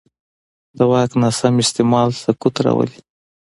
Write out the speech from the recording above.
د واک ناسم استعمال سقوط راولي